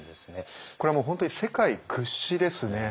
これはもう本当に世界屈指ですね。